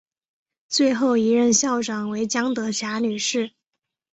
最后一任校长为江德霞女士。